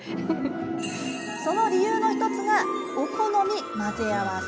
その理由の一つが「お好み混ぜ合わせ」。